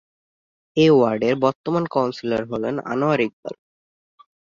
এ ওয়ার্ডের বর্তমান কাউন্সিলর হলেন আনোয়ার ইকবাল।